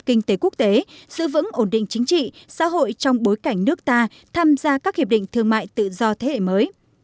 kinh tế quốc tế giữ vững ổn định chính trị xã hội trong bối cảnh nước ta tham gia các hiệp định thương mại tự do thế hệ mới